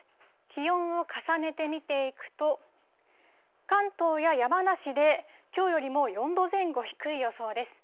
気温を重ねて見ていくと、関東や山梨で、きょうよりも４度前後低い予想です。